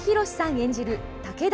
演じる武田